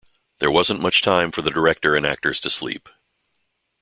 There wasn't much time for the director and actors to sleep.